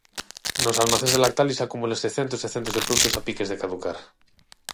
Nos almacéns de Lactalis acumúlanse centos e centos de produtos a piques de caducar.